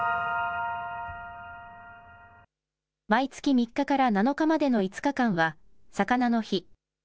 毎月３日から７日までの５日間は、さかなの日。